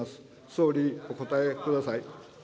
総理、お答えください。